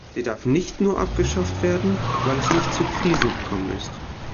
Sie darf nicht nur abgeschafft werden, weil es nicht zu Krisen gekommen ist.